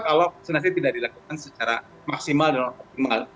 kalau vaksinasi tidak dilakukan secara maksimal dan optimal